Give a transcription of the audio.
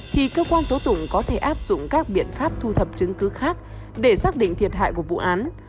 thì cơ quan tố tụng có thể áp dụng các biện pháp thu thập chứng cứ khác để xác định thiệt hại của vụ án